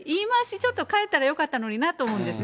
ちょっと変えたらよかったのになと思うんですね。